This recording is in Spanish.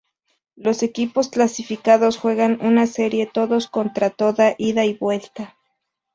Los equipos clasificados juegan una serie todos contra toda ida y vuelta.